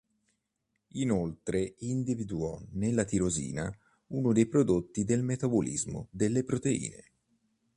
Inoltre individuò nella tirosina uno dei prodotti del metabolismo delle proteine.